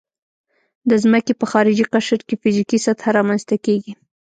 د ځمکې په خارجي قشر کې فزیکي سطحه رامنځته کیږي